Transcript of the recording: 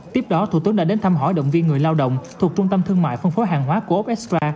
tiếp đó thủ tướng đã đến thăm hỏi động viên người lao động thuộc trung tâm thương mại phân phối hàng hóa của úp espa